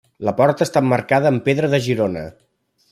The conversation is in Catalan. La porta està emmarcada amb pedra de Girona.